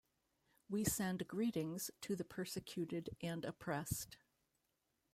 We send greetings to the persecuted and oppressed.